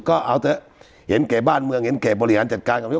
ก็เอาเถอะเห็นแก่บ้านเมืองเห็นแก่บริหารจัดการกับพี่